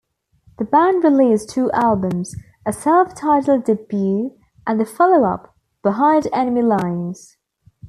The band released two albums, a self-titled debut, and the follow-up "Behind Enemy Lines".